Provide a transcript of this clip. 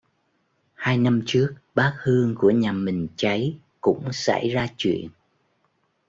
hai năm trước bát hương của nhà mình cháy cũng xảy ra chuyện